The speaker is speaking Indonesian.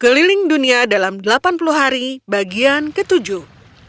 keliling dunia dalam delapan puluh hari bagian ketujuh